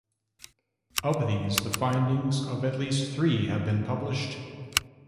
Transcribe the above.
Of these, the findings of at least three have been published.